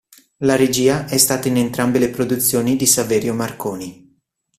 La regia è stata in entrambe le produzioni di Saverio Marconi.